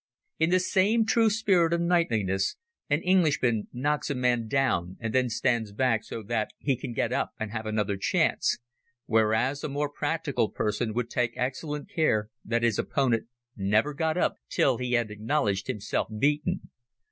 In the same true spirit of knightliness an Englishman knocks a man down and then stands back so that he can get up and have another chance, whereas a more practical person would take excellent care that his opponent never got up till he had acknowledged himself beaten.